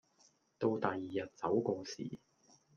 到第二日走個時